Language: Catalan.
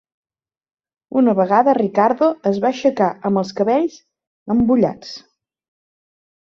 Una vegada Ricardo es va aixecar amb els cabells embullats.